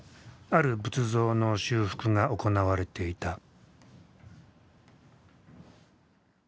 ある仏像の修復が行われていた。